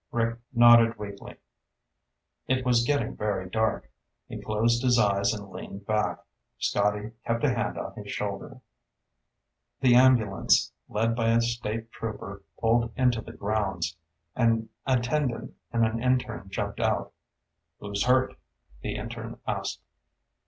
Rick nodded weakly. It was getting very dark. He closed his eyes and leaned back. Scotty kept a hand on his shoulder. The ambulance, led by a state trooper, pulled into the grounds. An attendant and an intern jumped out. "Who's hurt?" the intern asked.